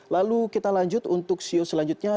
lalu kita lanjut untuk siu selanjutnya